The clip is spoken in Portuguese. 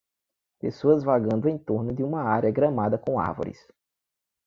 Pessoas vagando em torno de uma área gramada com árvores.